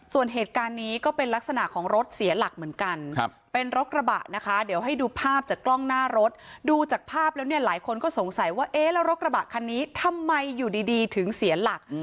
ส่วนเหตุการณ์นี้ก็เป็นลักษณะของรถเสียหลักเหมือนกันเป็นรถกระบะนะคะเดี๋ยวให้ดูภาพจากกล้องหน้ารถดูจากภาพแล้วเนี่ยหลายคนก็สงสัยว่าเอ๊ะแล้วรถกระบะคันนี้ทำไมอยู่ดีถึงเสียหลัก